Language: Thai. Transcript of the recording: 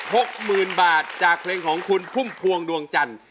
หกหมื่นบาทจากเพลงของคุณพุ่มพวงดวงจันทร์